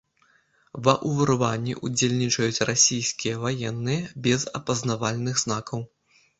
Ва ўварванні ўдзельнічаюць расійскія ваенныя без апазнавальных знакаў.